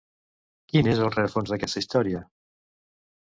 Quin és el rerefons d'aquesta història?